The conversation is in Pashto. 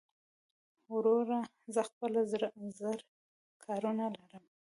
وروره زه خپله زر کارونه لرم